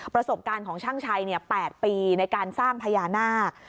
ประสบการณ์ของช่างชัย๘ปีในการสร้างพญานาค